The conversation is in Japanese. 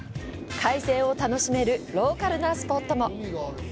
海鮮を楽しめるローカルなスポットも。